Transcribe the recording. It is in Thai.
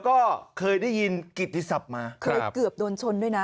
ก็เคยได้ยินกิติศัพท์มาเคยเกือบโดนชนด้วยนะ